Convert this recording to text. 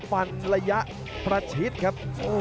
ฟันระยะประชิดครับ